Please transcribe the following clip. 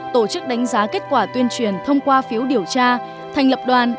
tổ chức đánh giá kết quả tuyên truyền thông qua phiếu điều tra thành lập đoàn